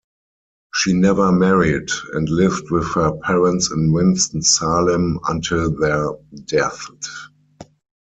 She never married, and lived with her parents in Winston-Salem until their deaths.